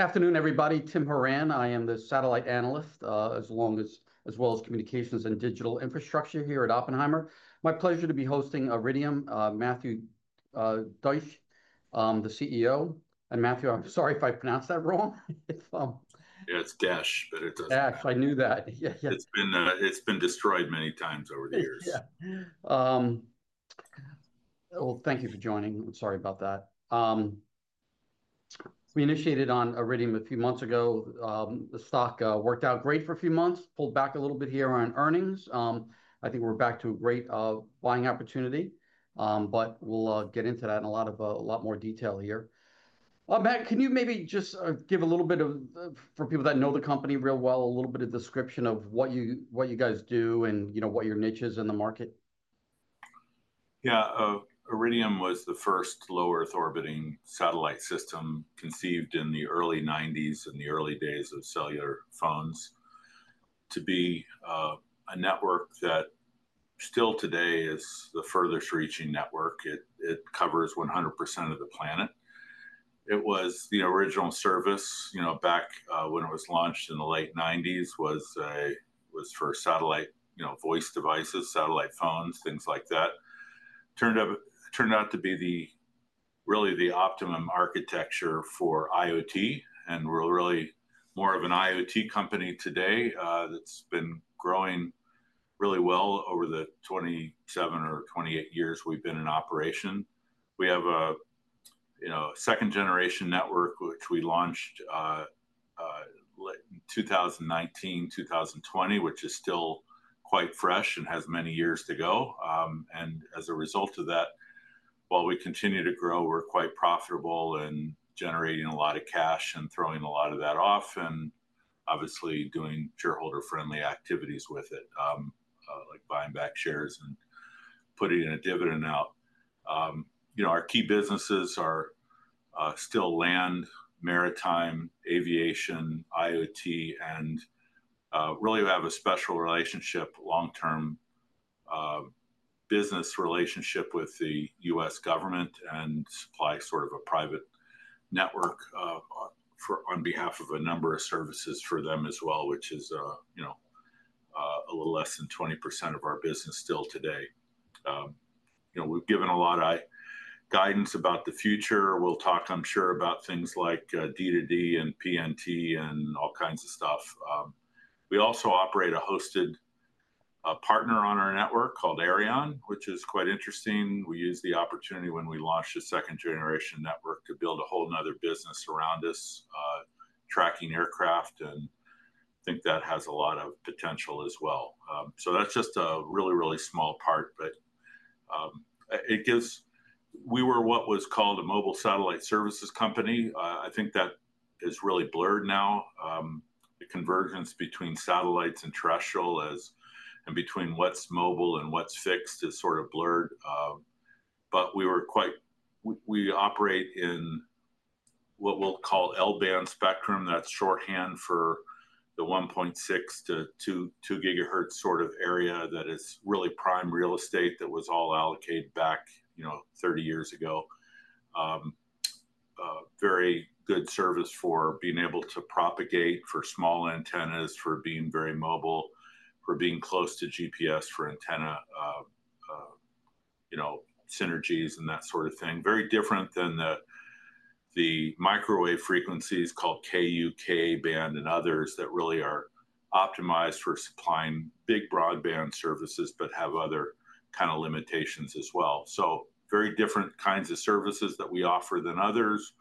Good afternoon, everybody. Tim Horan. I am the satellite analyst, as well as Communications and Digital Infrastructure here at Oppenheimer. My pleasure to be hosting Iridium's Matthew Desch, the CEO. Matthew, I'm sorry if I pronounced that wrong. Yeah, it's Desch, but it doesn't. Desch, I knew that. It's been destroyed many times over the years. Thank you for joining. Sorry about that. We initiated on Iridium a few months ago. The stock worked out great for a few months, pulled back a little bit here on earnings. I think we're back to a great buying opportunity. We'll get into that in a lot more detail here. Matt, can you maybe just give a little bit of, for people that know the company real well, a little bit of description of what you guys do and what your niche is in the market? Yeah, Iridium was the first low Earth orbiting satellite system conceived in the early '90s and the early days of cellular phones to be a network that still today is the furthest reaching network. It covers 100% of the planet. It was the original service, you know, back when it was launched in the late '90s, was for satellite, you know, voice devices, satellite phones, things like that. Turned out to be really the optimum architecture for IoT. We're really more of an IoT company today that's been growing really well over the 27 or 28 years we've been in operation. We have a second-generation network, which we launched in 2019, 2020, which is still quite fresh and has many years to go. As a result of that, while we continue to grow, we're quite profitable and generating a lot of cash and throwing a lot of that off and obviously doing shareholder-friendly activities with it, like buying back shares and putting a dividend out. Our key businesses are still land, maritime, aviation, IoT, and really have a special relationship, long-term business relationship with the U.S. government and supply sort of a private network on behalf of a number of services for them as well, which is a little less than 20% of our business still today. We've given a lot of guidance about the future. We'll talk, I'm sure, about things like D2D and PNT and all kinds of stuff. We also operate a hosted partner on our network called Aireon, which is quite interesting. We used the opportunity when we launched a second-generation network to build a whole other business around this, tracking aircraft, and I think that has a lot of potential as well. That's just a really, really small part. We were what was called a mobile satellite services company. I think that is really blurred now. The convergence between satellites and terrestrial and between what's mobile and what's fixed is sort of blurred. We operate in what we'll call L-band spectrum. That's shorthand for the 1.6 GHz-2 GHz sort of area that is really prime real estate that was all allocated back, you know, 30 years ago. Very good service for being able to propagate for small antennas, for being very mobile, for being close to GPS for antenna synergies and that sort of thing. Very different than the microwave frequencies called Ku-band and others that really are optimized for supplying big broadband services but have other kind of limitations as well. Very different kinds of services that we offer than others.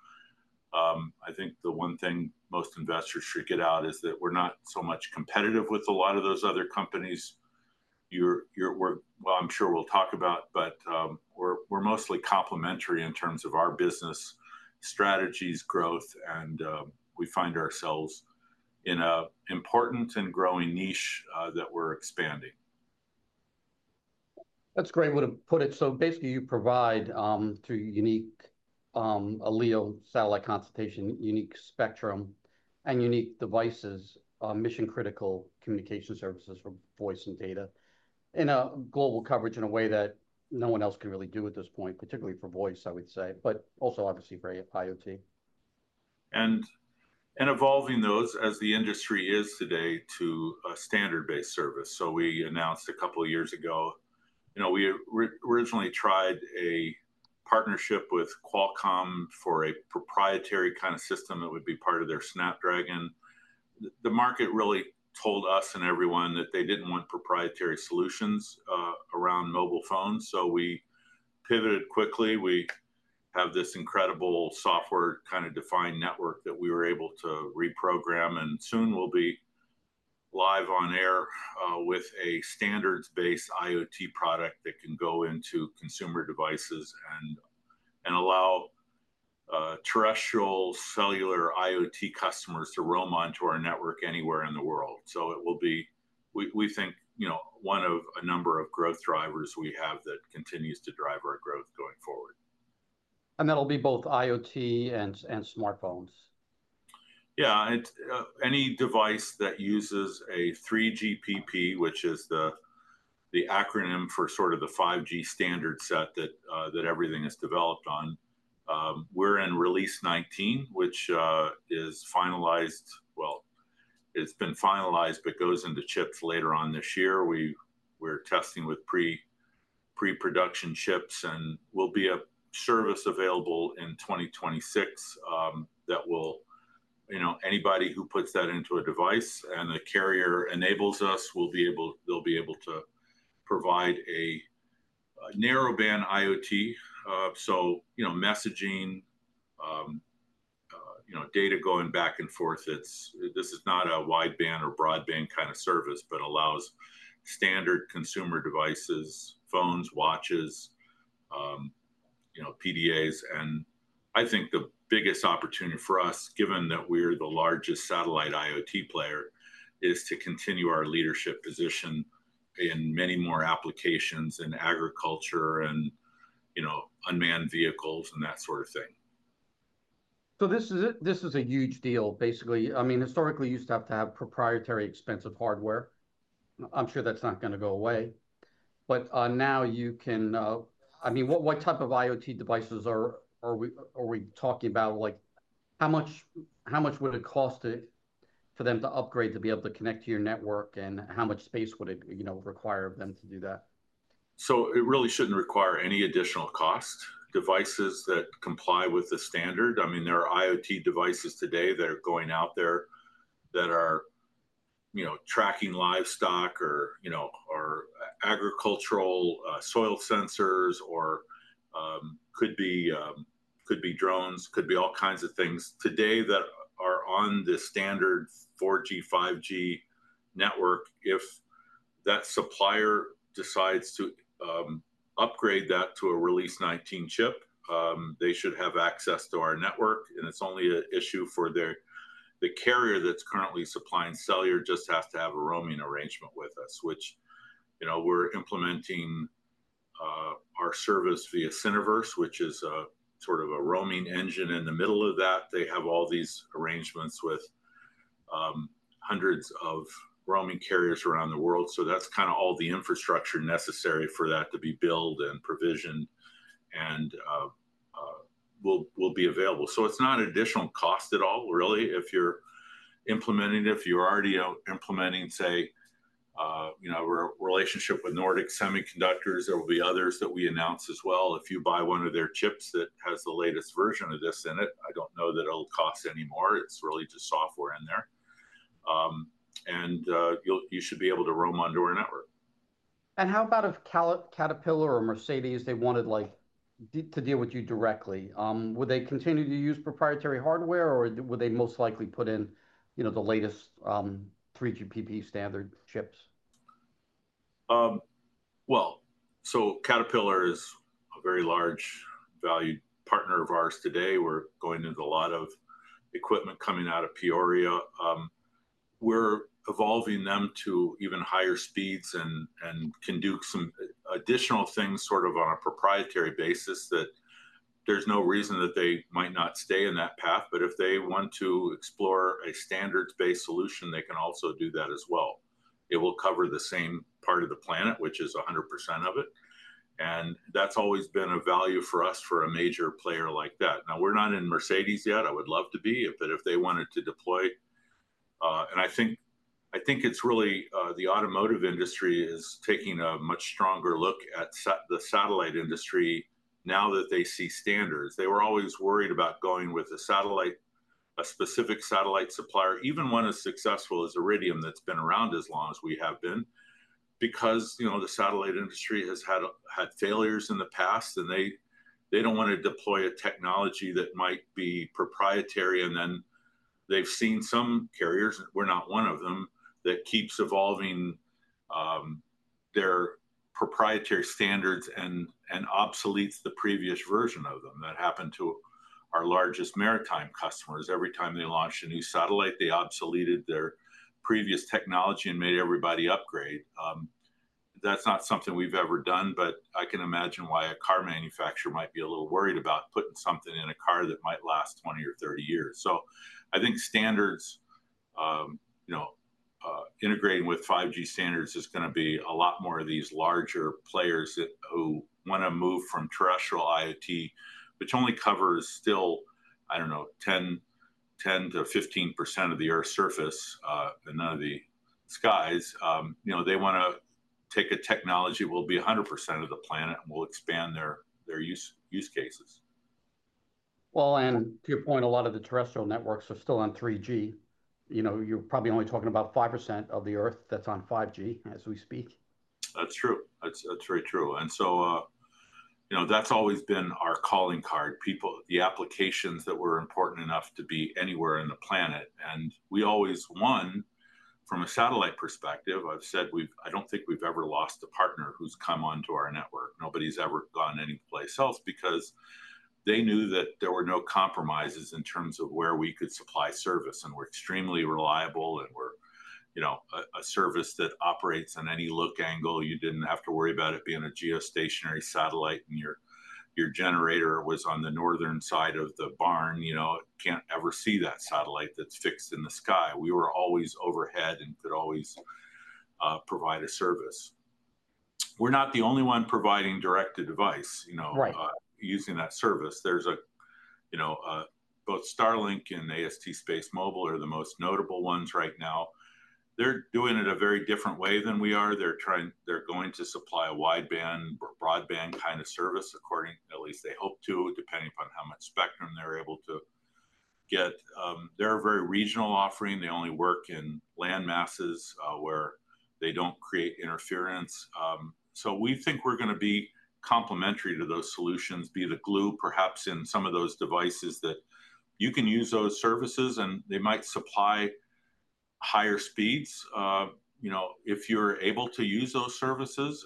I think the one thing most investors should get out is that we're not so much competitive with a lot of those other companies. I'm sure we'll talk about, but we're mostly complementary in terms of our business strategies, growth, and we find ourselves in an important and growing niche that we're expanding. That's a great way to put it. Basically, you provide, through unique L-band satellite constellation, unique spectrum, and unique devices, mission-critical communication services for voice and data in a global coverage in a way that no one else can really do at this point, particularly for voice, I would say, but also obviously for IoT. Evolving those as the industry is today to a standards-based service, we announced a couple of years ago, you know, we originally tried a partnership with Qualcomm for a proprietary kind of system that would be part of their Snapdragon. The market really told us and everyone that they didn't want proprietary solutions around mobile phones. We pivoted quickly. We have this incredible software-defined network that we were able to reprogram. Soon we'll be live on air with a standards-based IoT product that can go into consumer devices and allow terrestrial cellular IoT customers to roam onto our network anywhere in the world. It will be, we think, one of a number of growth drivers we have that continues to drive our growth going forward. That'll be both IoT and smartphones? Yeah, any device that uses a 3GPP, which is the acronym for sort of the 5G standard set that everything is developed on. We're in Release 19, which is finalized. It's been finalized but goes into chips later on this year. We're testing with pre-production chips, and there will be a service available in 2026 that will, you know, anybody who puts that into a device and a carrier enables us will be able, they'll be able to provide a narrowband IoT. Messaging, data going back and forth. This is not a wideband or broadband kind of service, but allows standard consumer devices, phones, watches, PDAs. I think the biggest opportunity for us, given that we're the largest satellite IoT player, is to continue our leadership position in many more applications in agriculture and unmanned vehicles and that sort of thing. This is a huge deal, basically. I mean, historically, you used to have to have proprietary expensive hardware. I'm sure that's not going to go away. Now you can, I mean, what type of IoT devices are we talking about? How much would it cost for them to upgrade to be able to connect to your network? How much space would it require of them to do that? It really shouldn't require any additional cost. Devices that comply with the standard, I mean, there are IoT devices today that are going out there that are, you know, tracking livestock or, you know, agricultural soil sensors or could be drones, could be all kinds of things today that are on the standard 4G, 5G network. If that supplier decides to upgrade that to a 3GPP Release 19 chip, they should have access to our network. It's only an issue for the carrier that's currently supplying cellular, just has to have a roaming arrangement with us, which, you know, we're implementing our service via Cineverse, which is a sort of a roaming engine in the middle of that. They have all these arrangements with hundreds of roaming carriers around the world. That's kind of all the infrastructure necessary for that to be built and provisioned and will be available. It's not an additional cost at all, really, if you're implementing it. If you're already implementing, say, you know, a relationship with Nordic Semiconductors, there will be others that we announce as well. If you buy one of their chips that has the latest version of this in it, I don't know that it'll cost any more. It's really just software in there, and you should be able to roam onto our network. If Caterpillar or Mercedes wanted to deal with you directly, would they continue to use proprietary hardware, or would they most likely put in, you know, the latest 3GPP standard chips? Caterpillar is a very large valued partner of ours today. We're going into a lot of equipment coming out of Peoria. We're evolving them to even higher speeds and can do some additional things sort of on a proprietary basis that there's no reason that they might not stay in that path. If they want to explore a standards-based solution, they can also do that as well. It will cover the same part of the planet, which is 100% of it. That's always been a value for us for a major player like that. We're not in Mercedes yet. I would love to be if they wanted to deploy. I think it's really the automotive industry is taking a much stronger look at the satellite industry now that they see standards. They were always worried about going with a satellite, a specific satellite supplier, even one as successful as Iridium that's been around as long as we have been, because the satellite industry has had failures in the past and they don't want to deploy a technology that might be proprietary. They've seen some carriers, we're not one of them, that keeps evolving their proprietary standards and obsoletes the previous version of them. That happened to our largest maritime customers. Every time they launched a new satellite, they obsoleted their previous technology and made everybody upgrade. That's not something we've ever done, but I can imagine why a car manufacturer might be a little worried about putting something in a car that might last 20 or 30 years. I think standards, integrating with 5G standards, is going to be a lot more of these larger players who want to move from terrestrial IoT, which only covers still, I don't know, 10%-15% of the Earth's surface and none of the skies. They want to take a technology that will be 100% of the planet and will expand their use cases. To your point, a lot of the terrestrial networks are still on 3G. You know, you're probably only talking about 5% of the Earth that's on 5G as we speak. That's true. That's very true. That's always been our calling card. People, the applications that were important enough to be anywhere in the planet. We always, one, from a satellite perspective, I've said I don't think we've ever lost a partner who's come onto our network. Nobody's ever gone anyplace else because they knew that there were no compromises in terms of where we could supply service. We're extremely reliable and we're a service that operates on any look angle. You didn't have to worry about it being a geostationary satellite and your generator was on the northern side of the barn. It can't ever see that satellite that's fixed in the sky. We were always overhead and could always provide a service. We're not the only one providing direct to device, using that service. Both Starlink and AST SpaceMobile are the most notable ones right now. They're doing it a very different way than we are. They're trying, they're going to supply a wide band, broadband kind of service, according, at least they hope to, depending upon how much spectrum they're able to get. They're a very regional offering. They only work in land masses where they don't create interference. We think we're going to be complementary to those solutions, be the glue perhaps in some of those devices that you can use those services and they might supply higher speeds. If you're able to use those services,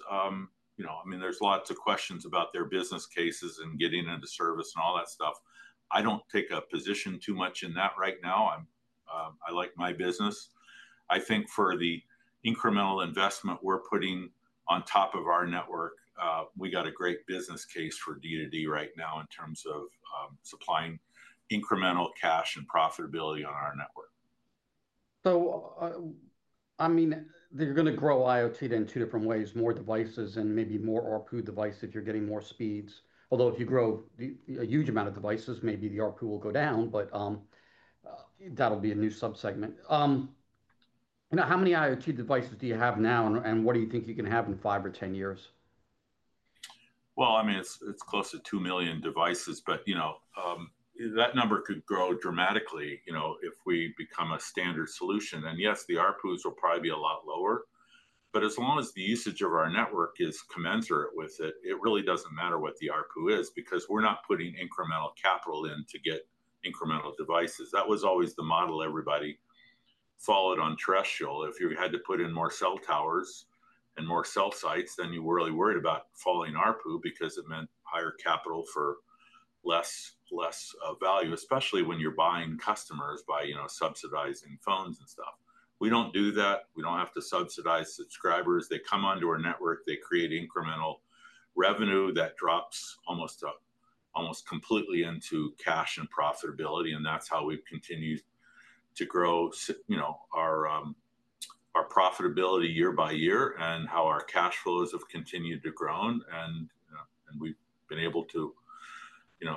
there's lots of questions about their business cases and getting into service and all that stuff. I don't take a position too much in that right now. I like my business. I think for the incremental investment we're putting on top of our network, we got a great business case for D2D right now in terms of supplying incremental cash and profitability on our network. I mean, they're going to grow IoT in two different ways, more devices and maybe more ARPU devices if you're getting more speeds. Although if you grow a huge amount of devices, maybe the ARPU will go down, but that'll be a new subsegment. How many IoT devices do you have now and what do you think you can have in five or ten years? It's close to two million devices, but you know, that number could grow dramatically if we become a standard solution. Yes, the ARPUs will probably be a lot lower. As long as the usage of our network is commensurate with it, it really doesn't matter what the ARPU is because we're not putting incremental capital in to get incremental devices. That was always the model everybody followed on terrestrial. If you had to put in more cell towers and more cell sites, then you were really worried about falling ARPU because it meant higher capital for less value, especially when you're buying customers by subsidizing phones and stuff. We don't do that. We don't have to subsidize subscribers. They come onto our network, they create incremental revenue that drops almost completely into cash and profitability. That's how we've continued to grow our profitability year by year and how our cash flows have continued to grow. We've been able to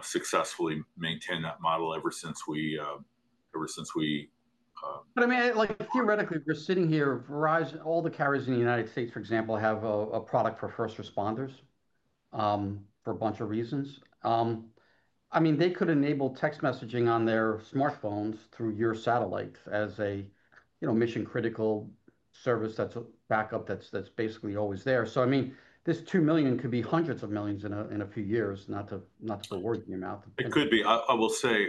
successfully maintain that model ever since we. I mean, theoretically, if you're sitting here, Verizon, all the carriers in the U.S., for example, have a product for first responders for a bunch of reasons. They could enable text messaging on their smartphones through your satellite as a mission-critical service that's backup that's basically always there. This $2 million could be hundreds of millions in a few years, not to put words in your mouth. It could be. I will say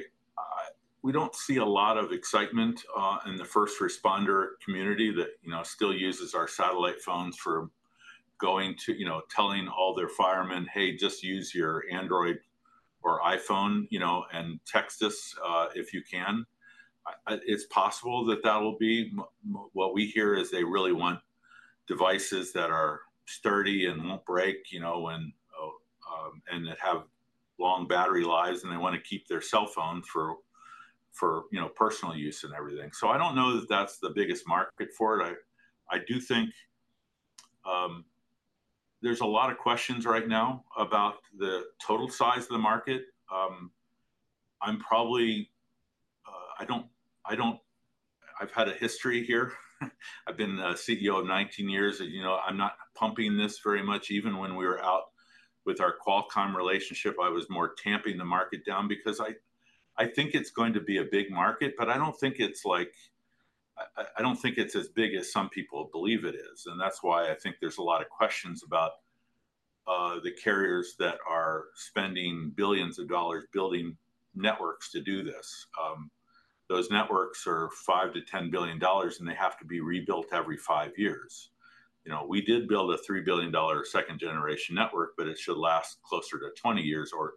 we don't see a lot of excitement in the first responder community that, you know, still uses our satellite phones for going to, you know, telling all their firemen, hey, just use your Android or iPhone, you know, and text us if you can. It's possible that that will be. What we hear is they really want devices that are sturdy and won't break, you know, and that have long battery lives and they want to keep their cell phone for, you know, personal use and everything. I don't know that that's the biggest market for it. I do think there's a lot of questions right now about the total size of the market. I'm probably, I don't, I don't, I've had a history here. I've been the CEO of 19 years and, you know, I'm not pumping this very much. Even when we were out with our Qualcomm relationship, I was more tamping the market down because I think it's going to be a big market, but I don't think it's like, I don't think it's as big as some people believe it is. That's why I think there's a lot of questions about the carriers that are spending billions of dollars building networks to do this. Those networks are $5 billion-$10 billion and they have to be rebuilt every five years. You know, we did build a $3 billion second generation network, but it should last closer to 20 years or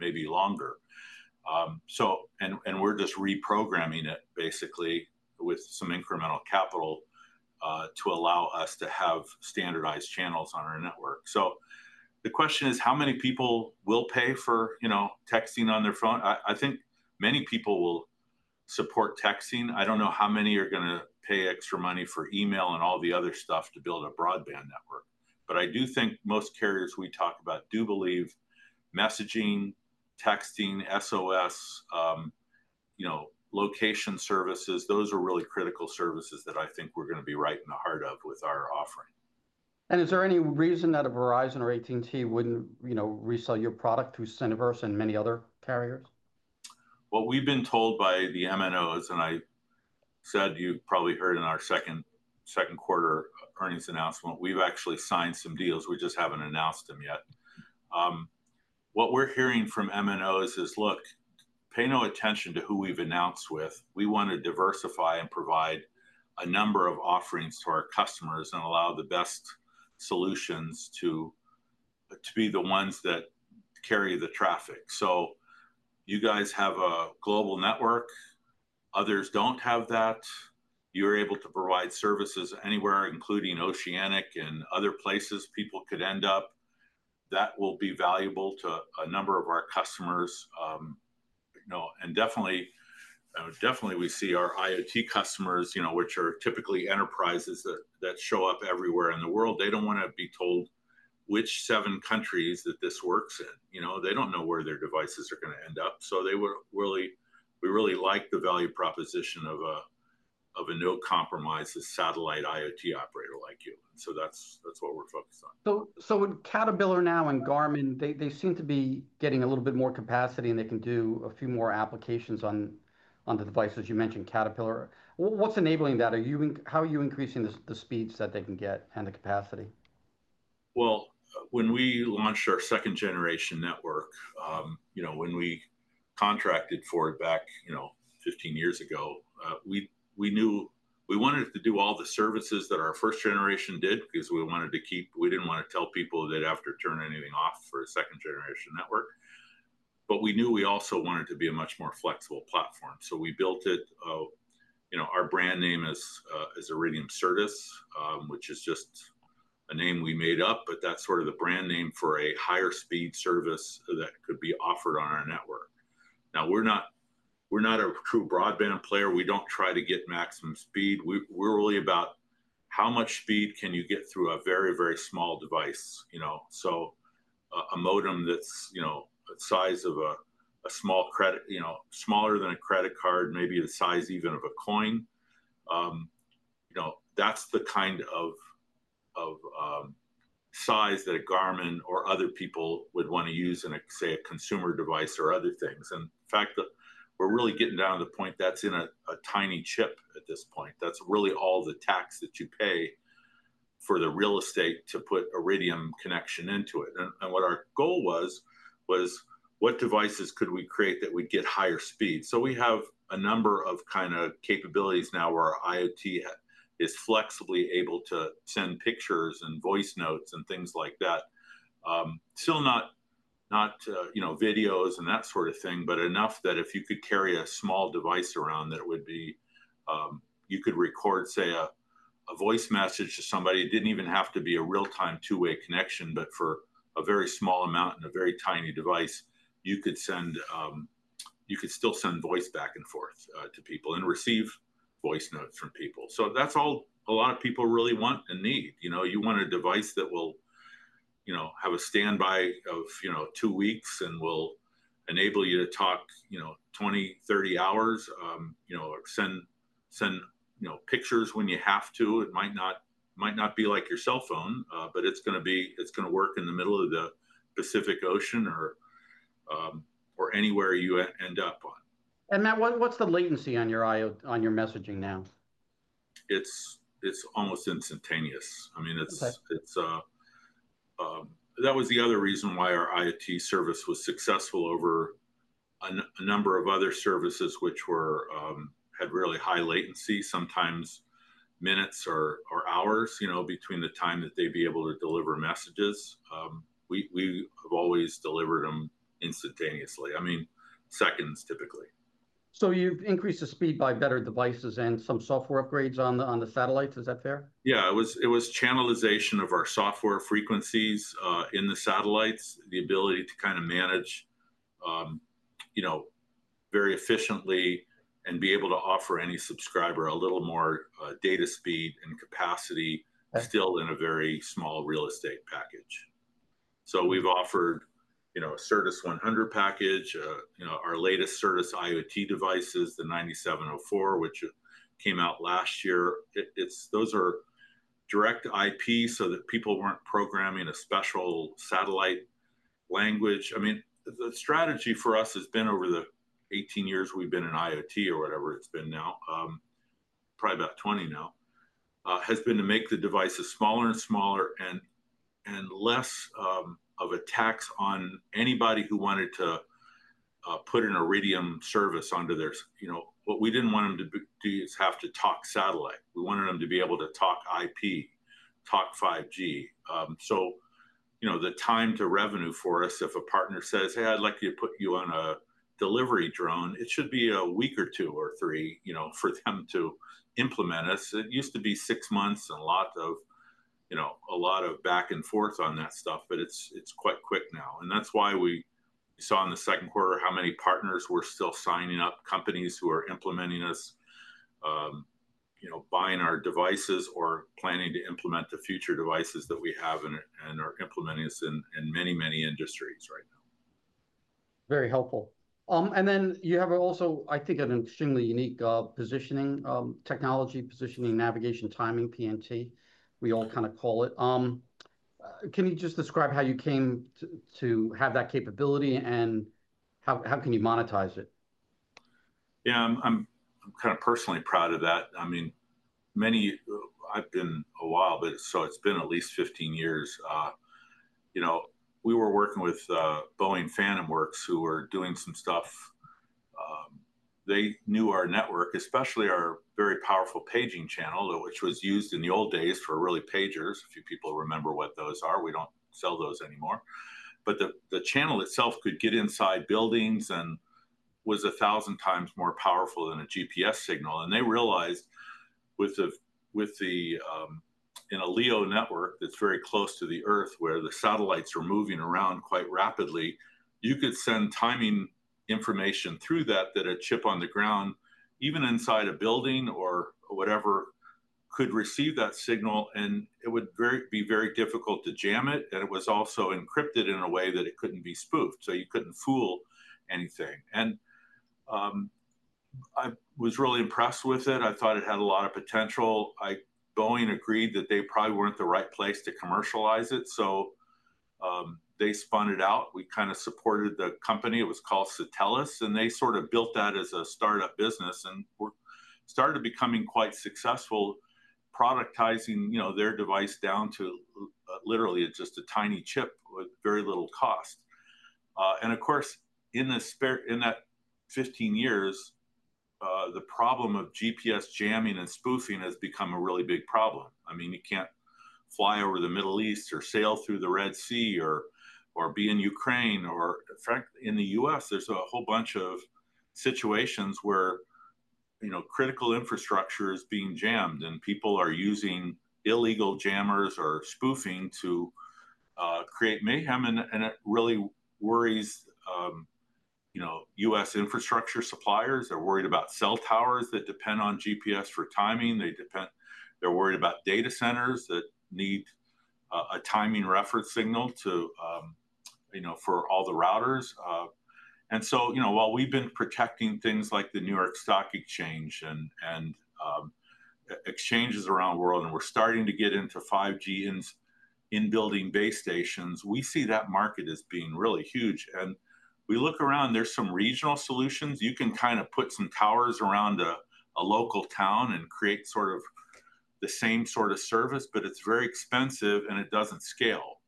maybe longer. We are just reprogramming it basically with some incremental capital to allow us to have standardized channels on our network. The question is how many people will pay for, you know, texting on their phone. I think many people will support texting. I don't know how many are going to pay extra money for email and all the other stuff to build a broadband network. I do think most carriers we talk about do believe messaging, texting, SOS, you know, location services, those are really critical services that I think we're going to be right in the heart of with our offering. Is there any reason that a Verizon or AT&T wouldn't, you know, resell your product through Cineverse and many other carriers? We've been told by the MNOs, and as you probably heard in our second quarter earnings announcement, we've actually signed some deals. We just haven't announced them yet. What we're hearing from MNOs is, look, pay no attention to who we've announced with. We want to diversify and provide a number of offerings to our customers and allow the best solutions to be the ones that carry the traffic. You guys have a global network. Others don't have that. You're able to provide services anywhere, including Oceanic and other places people could end up. That will be valuable to a number of our customers. You know, and definitely we see our IoT customers, which are typically enterprises that show up everywhere in the world. They don't want to be told which seven countries that this works in. They don't know where their devices are going to end up. They really, we really like the value proposition of a no-compromises satellite IoT operator like you. That's what we're focused on. With Caterpillar now and Garmin, they seem to be getting a little bit more capacity, and they can do a few more applications on the devices. You mentioned Caterpillar. What's enabling that? How are you increasing the speeds that they can get and the capacity? When we launched our second generation network, you know, when we contracted for it back, you know, 15 years ago, we knew we wanted to do all the services that our first generation did because we wanted to keep, we didn't want to tell people they'd have to turn anything off for a second generation network. We knew we also wanted to be a much more flexible platform. We built it, you know, our brand name is Iridium Service, which is just a name we made up, but that's sort of the brand name for a higher speed service that could be offered on our network. Now, we're not a true broadband player. We don't try to get maximum speed. We're really about how much speed can you get through a very, very small device, you know, so a modem that's, you know, a size of a small credit, you know, smaller than a credit card, maybe the size even of a coin. You know, that's the kind of size that a Garmin or other people would want to use in, say, a consumer device or other things. In fact, we're really getting down to the point that's in a tiny chip at this point. That's really all the tax that you pay for the real estate to put Iridium connection into it. What our goal was, was what devices could we create that would get higher speed? We have a number of kind of capabilities now where our IoT is flexibly able to send pictures and voice notes and things like that. Still not, you know, videos and that sort of thing, but enough that if you could carry a small device around, that would be, you could record, say, a voice message to somebody. It didn't even have to be a real-time two-way connection, but for a very small amount and a very tiny device, you could send, you could still send voice back and forth to people and receive voice notes from people. That's all a lot of people really want and need. You know, you want a device that will, you know, have a standby of, you know, two weeks and will enable you to talk, you know, 20, 30 hours, you know, send, send, you know, pictures when you have to. It might not, might not be like your cell phone, but it's going to be, it's going to work in the middle of the Pacific Ocean or anywhere you end up on. Matt, what's the latency on your messaging now? It's almost instantaneous. I mean, that was the other reason why our IoT service was successful over a number of other services, which had really high latency, sometimes minutes or hours, you know, between the time that they'd be able to deliver messages. We have always delivered them instantaneously. I mean, seconds typically. You've increased the speed by better devices and some software upgrades on the satellites. Is that fair? Yeah, it was channelization of our software frequencies in the satellites, the ability to kind of manage, you know, very efficiently and be able to offer any subscriber a little more data speed and capacity still in a very small real estate package. We've offered, you know, a Service 100 package, our latest Service IoT devices, the 9704, which came out last year. Those are direct IP so that people weren't programming a special satellite language. The strategy for us has been over the 18 years we've been in IoT or whatever it's been now, probably about 20 now, has been to make the devices smaller and smaller and less of a tax on anybody who wanted to put an Iridium service onto their, you know, what we didn't want them to do is have to talk satellite. We wanted them to be able to talk IP, talk 5G. The time to revenue for us, if a partner says, "Hey, I'd like you to put you on a delivery drone," it should be a week or two or three for them to implement us. It used to be six months and a lot of back and forth on that stuff, but it's quite quick now. That's why we saw in the second quarter how many partners were still signing up, companies who are implementing us, buying our devices or planning to implement the future devices that we have and are implementing us in many, many industries right now. Very helpful. You have also, I think, an extremely unique positioning, technology positioning, navigation, timing, PNT, we all kind of call it. Can you just describe how you came to have that capability and how can you monetize it? Yeah, I'm kind of personally proud of that. I mean, I've been a while, but it's been at least 15 years. We were working with Boeing Phantom Works who were doing some stuff. They knew our network, especially our very powerful paging channel, which was used in the old days for really pagers. A few people remember what those are. We don't sell those anymore. The channel itself could get inside buildings and was a thousand times more powerful than a GPS signal. They realized with a LEO network that's very close to the Earth where the satellites are moving around quite rapidly, you could send timing information through that that a chip on the ground, even inside a building or whatever, could receive that signal. It would be very difficult to jam it. It was also encrypted in a way that it couldn't be spoofed, so you couldn't fool anything. I was really impressed with it. I thought it had a lot of potential. Boeing agreed that they probably weren't the right place to commercialize it. They spun it out. We kind of supported the company. It was called Satelles. They built that as a startup business and started becoming quite successful, productizing their device down to literally just a tiny chip with very little cost. In that 15 years, the problem of GPS jamming and spoofing has become a really big problem. You can't fly over the Middle East or sail through the Red Sea or be in Ukraine or, frankly, in the U.S., there's a whole bunch of situations where critical infrastructure is being jammed and people are using illegal jammers or spoofing to create mayhem. It really worries U.S. infrastructure suppliers. They're worried about cell towers that depend on GPS for timing. They're worried about data centers that need a timing reference signal for all the routers. While we've been protecting things like the New York Stock Exchange and exchanges around the world, and we're starting to get into 5G in building base stations, we see that market as being really huge. We look around, there's some regional solutions. You can put some towers around a local town and create sort of the same sort of service, but it's very expensive and it doesn't scale.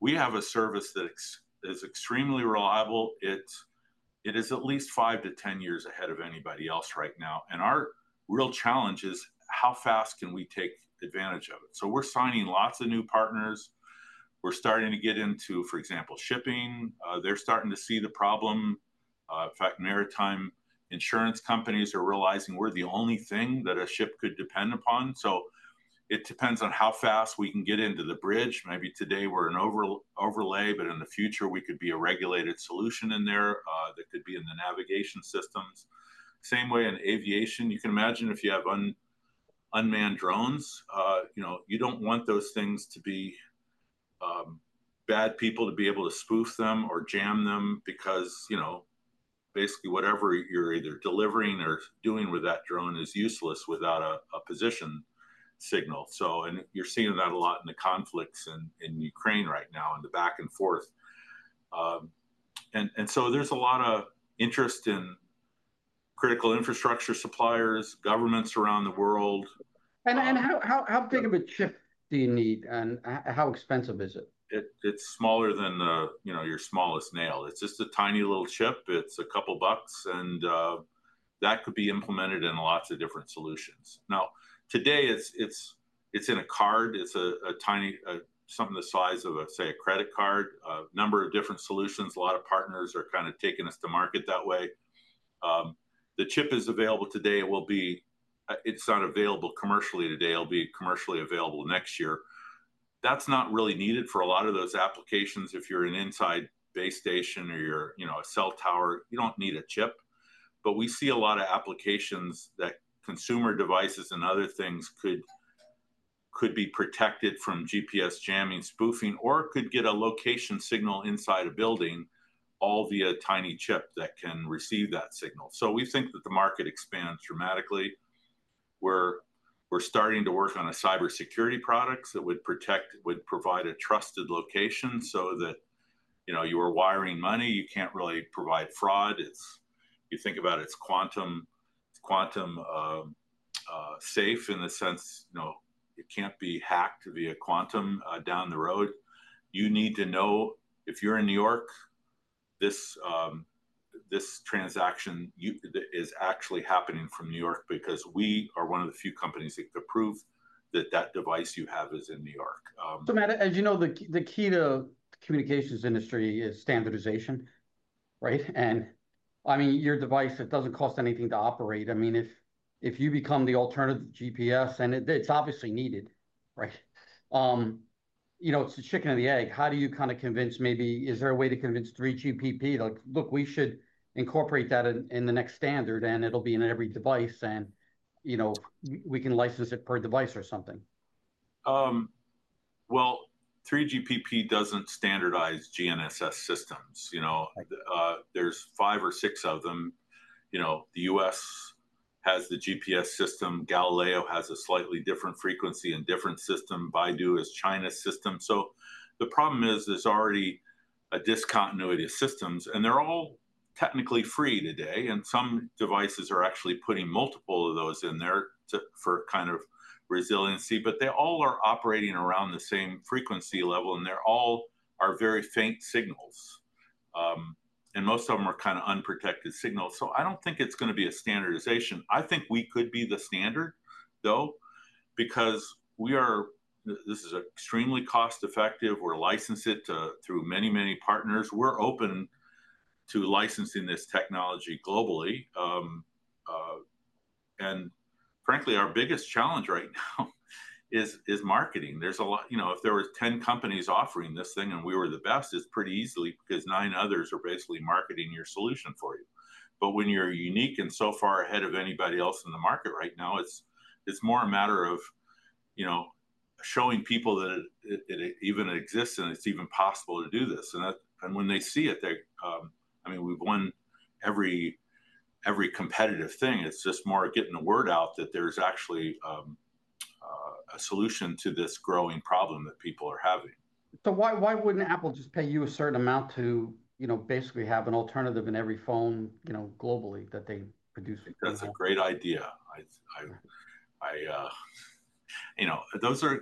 We have a service that is extremely reliable. It is at least 5-10 years ahead of anybody else right now. Our real challenge is how fast can we take advantage of it. We're signing lots of new partners. We're starting to get into, for example, shipping. They're starting to see the problem. In fact, maritime insurance companies are realizing we're the only thing that a ship could depend upon. It depends on how fast we can get into the bridge. Maybe today we're an overlay, but in the future we could be a regulated solution in there that could be in the navigation systems. The same way in aviation, you can imagine if you have unmanned drones, you don't want those things to be bad people to be able to spoof them or jam them because, basically, whatever you're either delivering or doing with that drone is useless without a position signal. You're seeing that a lot in the conflicts in Ukraine right now and the back and forth. There's a lot of interest in critical infrastructure suppliers, governments around the world. How big of a chip do you need and how expensive is it? It's smaller than, you know, your smallest nail. It's just a tiny little chip. It's a couple bucks and that could be implemented in lots of different solutions. Now, today it's in a card. It's a tiny, something the size of, let's say, a credit card. A number of different solutions. A lot of partners are kind of taking us to market that way. The chip is available today. It will be, it's not available commercially today. It'll be commercially available next year. That's not really needed for a lot of those applications. If you're an inside base station or you're, you know, a cell tower, you don't need a chip. We see a lot of applications that consumer devices and other things could be protected from GPS jamming, spoofing, or could get a location signal inside a building all via a tiny chip that can receive that signal. We think that the market expands dramatically. We're starting to work on a cybersecurity product that would protect, would provide a trusted location so that, you know, you are wiring money. You can't really provide fraud. If you think about it, it's quantum safe in the sense, you know, it can't be hacked via quantum down the road. You need to know if you're in New York, this transaction is actually happening from New York because we are one of the few companies that can prove that that device you have is in New York. As you know, the key to the communications industry is standardization, right? I mean, your device, it doesn't cost anything to operate. If you become the alternative to GPS, and it's obviously needed, right? It's the chicken or the egg. How do you kind of convince maybe, is there a way to convince 3GPP? Like, look, we should incorporate that in the next standard and it'll be in every device and, you know, we can license it per device or something. 3GPP doesn't standardize GNSS systems. You know, there's five or six of them. You know, the U.S. has the GPS system. Galileo has a slightly different frequency and different system. Baidu is China's system. The problem is there's already a discontinuity of systems and they're all technically free today. Some devices are actually putting multiple of those in there for kind of resiliency, but they all are operating around the same frequency level and they all are very faint signals. Most of them are kind of unprotected signals. I don't think it's going to be a standardization. I think we could be the standard though, because we are, this is extremely cost effective. We're licensed through many, many partners. We're open to licensing this technology globally. Frankly, our biggest challenge right now is marketing. There's a lot, you know, if there were 10 companies offering this thing and we were the best, it's pretty easily because nine others are basically marketing your solution for you. When you're unique and so far ahead of anybody else in the market right now, it's more a matter of showing people that it even exists and it's even possible to do this. When they see it, they're, I mean, we've won every competitive thing. It's just more getting the word out that there's actually a solution to this growing problem that people are having. Why wouldn't Apple just pay you a certain amount to, you know, basically have an alternative in every phone, you know, globally that they produce? It's a great idea. Those are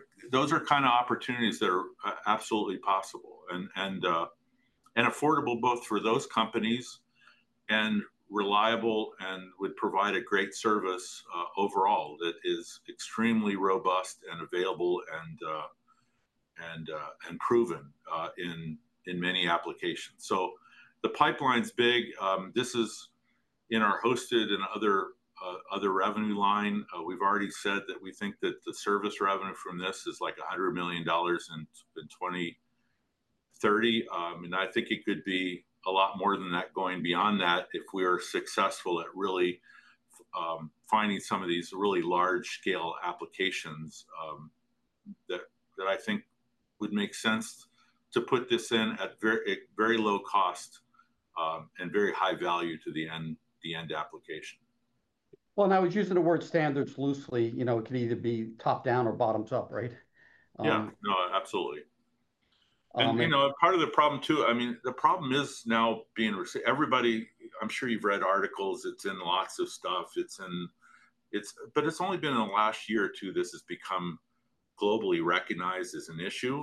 kind of opportunities that are absolutely possible and affordable both for those companies and reliable and would provide a great service overall that is extremely robust and available and proven in many applications. The pipeline's big. This is in our hosted and other revenue line. We've already said that we think that the service revenue from this is like $100 million in 2030. I think it could be a lot more than that going beyond that if we are successful at really finding some of these really large scale applications that I think would make sense to put this in at very low cost and very high value to the end application. I was using the word standards loosely. You know, it could either be top down or bottom top, right? Yeah, no, absolutely. Part of the problem too, I mean, the problem is now being received. Everybody, I'm sure you've read articles. It's in lots of stuff. It's in, but it's only been in the last year or two this has become globally recognized as an issue.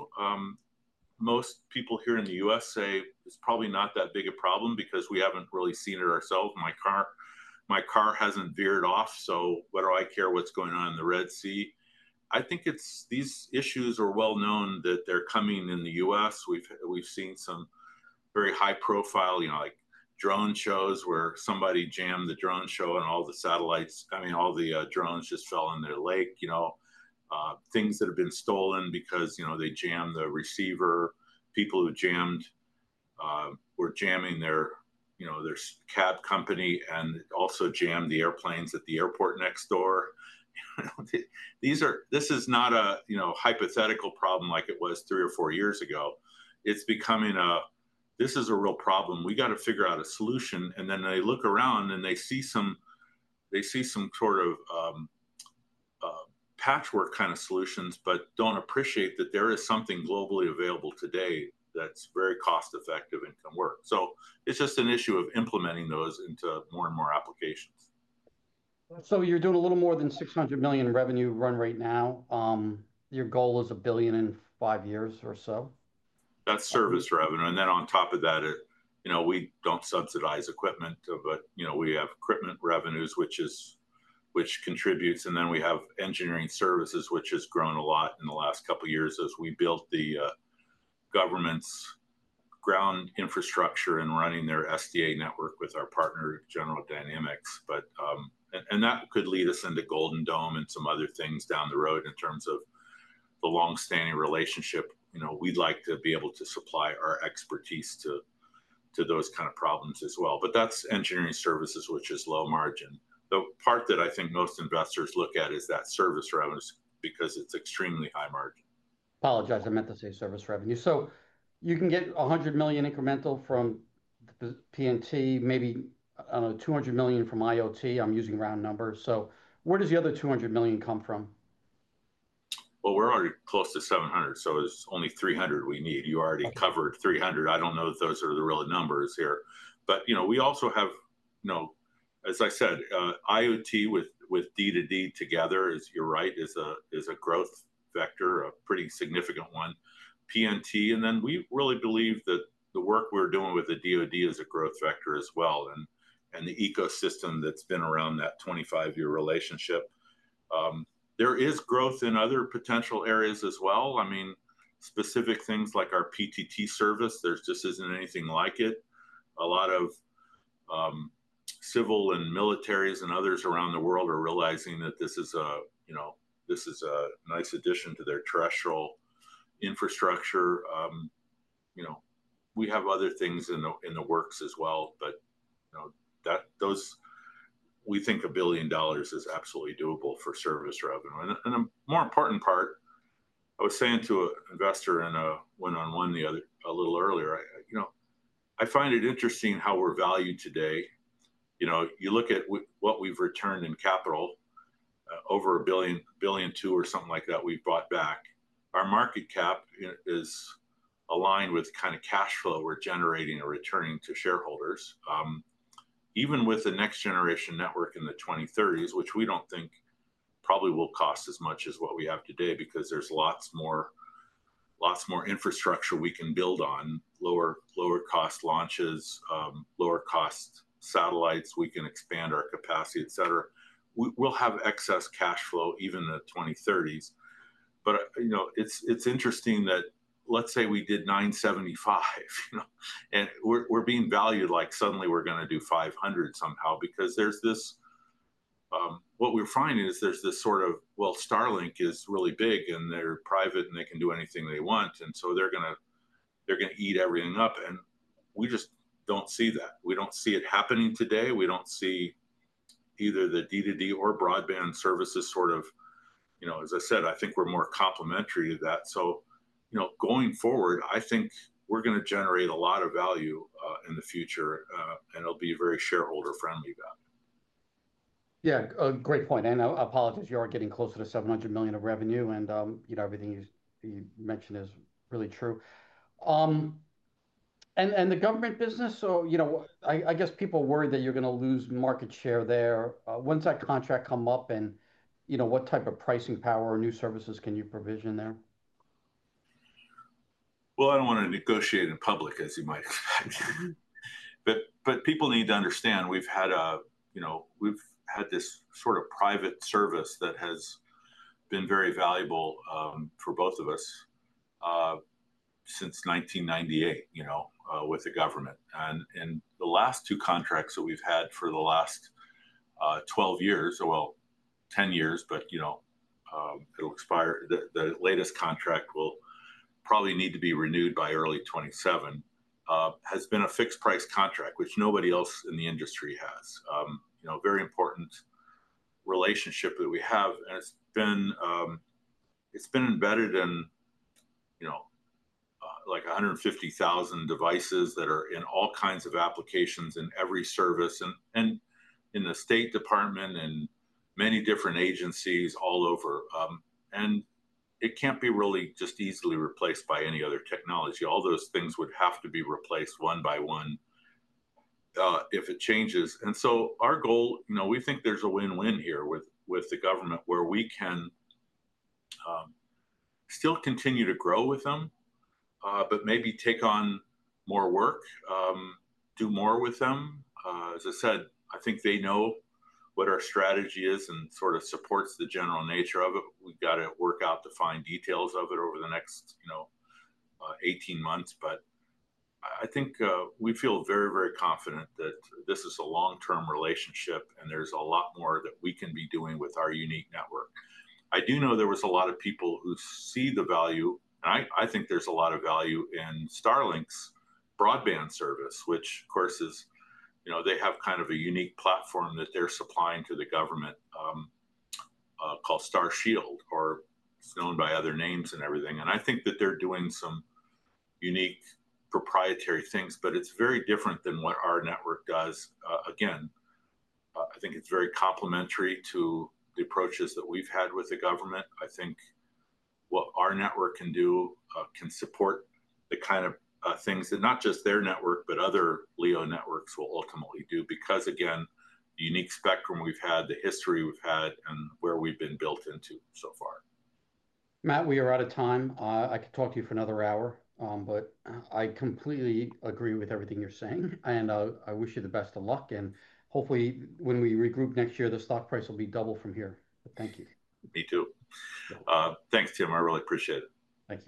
Most people here in the U.S. say it's probably not that big a problem because we haven't really seen it ourselves. My car hasn't veered off. What do I care what's going on in the Red Sea? I think these issues are well known that they're coming in the U.S. We've seen some very high profile, you know, like drone shows where somebody jammed the drone show and all the drones just fell in their lake, things that have been stolen because they jammed the receiver. People who jammed were jamming their cab company and also jammed the airplanes at the airport next door. This is not a hypothetical problem like it was three or four years ago. It's becoming a real problem. We got to figure out a solution. They look around and they see some sort of patchwork kind of solutions, but don't appreciate that there is something globally available today that's very cost effective and can work. It's just an issue of implementing those into more and more applications. You're doing a little more than $600 million revenue run rate right now. Your goal is $1 billion in five years or so. That's service revenue. On top of that, you know, we don't subsidize equipment, but we have equipment revenues, which contributes. We have engineering services, which has grown a lot in the last couple of years as we built the U.S. government's ground infrastructure and running their SDA network with our partner, General Dynamics. That could lead us into Golden Dome and some other things down the road in terms of the longstanding relationship. We'd like to be able to supply our expertise to those kind of problems as well. That's engineering services, which is low margin. The part that I think most investors look at is that service revenue because it's extremely high margin. Apologize, I meant to say service revenue. You can get $100 million incremental from the PNT, maybe, I don't know, $200 million from IoT. I'm using round numbers. Where does the other $200 million come from? We're already close to 700, so it's only 300 we need. You already covered 300. I don't know that those are the real numbers here, but you know, we also have, as I said, IoT with D2D together, as you're right, is a growth vector, a pretty significant one. PNT, and then we really believe that the work we're doing with the U.S. government is a growth vector as well. The ecosystem that's been around that 25-year relationship, there is growth in other potential areas as well. I mean, specific things like our PTT service, there just isn't anything like it. A lot of civil and militaries and others around the world are realizing that this is a, you know, this is a nice addition to their terrestrial infrastructure. We have other things in the works as well. Those, we think a billion dollars is absolutely doable for service revenue. The more important part, I was saying to an investor in a one-on-one a little earlier, I find it interesting how we're valued today. You look at what we've returned in capital, over a billion, billion two or something like that we've bought back. Our market cap is aligned with the kind of cash flow we're generating or returning to shareholders. Even with the next generation network in the 2030s, which we don't think probably will cost as much as what we have today because there's lots more, lots more infrastructure we can build on, lower cost launches, lower cost satellites, we can expand our capacity, et cetera. We'll have excess cash flow even in the 2030s. It's interesting that let's say we did $975 million, and we're being valued like suddenly we're going to do $500 million somehow because there's this, what we're finding is there's this sort of, well, Starlink is really big and they're private and they can do anything they want, and so they're going to eat everything up. We just don't see that. We don't see it happening today. We don't see either the D2D or broadband services, as I said, I think we're more complimentary of that. Going forward, I think we're going to generate a lot of value in the future and it'll be very shareholder friendly. Great point. I apologize, you are getting closer to $700 million in revenue, and everything you mentioned is really true. The government business, I guess people worry that you're going to lose market share there once that contract comes up, and what type of pricing power or new services can you provision there? I don't want to negotiate in public as you might have mentioned. People need to understand we've had this sort of private service that has been very valuable for both of us since 1998 with the U.S. government. The last two contracts that we've had for the last 12 years, well, 10 years, but it'll expire. The latest contract will probably need to be renewed by early 2027, has been a fixed price contract, which nobody else in the industry has. It is a very important relationship that we have. It's been embedded in like 150,000 devices that are in all kinds of applications in every service and in the State Department and many different agencies all over. It can't be really just easily replaced by any other technology. All those things would have to be replaced one by one if it changes. Our goal, we think there's a win-win here with the government where we can still continue to grow with them, but maybe take on more work, do more with them. As I said, I think they know what our strategy is and sort of support the general nature of it. We've got to work out the fine details of it over the next 18 months. I think we feel very, very confident that this is a long-term relationship and there's a lot more that we can be doing with our unique network. I do know there was a lot of people who see the value, and I think there's a lot of value in Starlink's broadband service, which of course is, they have kind of a unique platform that they're supplying to the government called Starshield, or it's known by other names and everything. I think that they're doing some unique proprietary things, but it's very different than what our network does. I think it's very complementary to the approaches that we've had with the government. I think what our network can do can support the kind of things that not just their network, but other LEO networks will ultimately do because, again, the unique spectrum we've had, the history we've had, and where we've been built into so far. Matt, we are out of time. I could talk to you for another hour. I completely agree with everything you're saying, and I wish you the best of luck. Hopefully when we regroup next year, the stock price will be double from here. Thank you. Me too. Thanks, Tim. I really appreciate it. Thanks.